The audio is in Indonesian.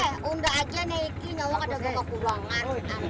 eh undang aja nih ini ada yang kekurangan